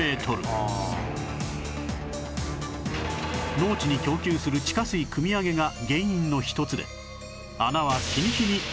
農地に供給する地下水くみ上げが原因の一つで穴は